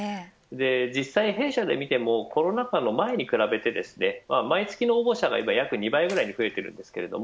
実際、弊社で見てもコロナ禍の前に比べて毎月の応募者がいま２倍くらいに増えています。